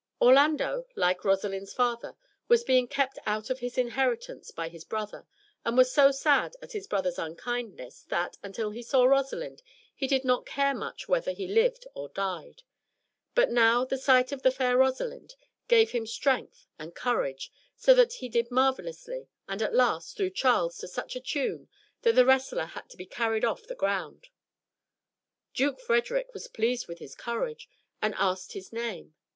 Orlando, like Rosalind's father, was being kept out of his inheritance by his brother, and was so sad at his brother's unkindness that, until he saw Rosalind, he did not care much whether he lived or died. But now the sight of the fair Rosalind gave him strength and courage, so that he did marvelously, and at last, threw Charles to such a tune, that the wrestler had to be carried off the ground. Duke Frederick was pleased with his courage, and asked his name.